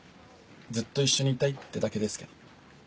ずっと一緒にいたいってだけですけど。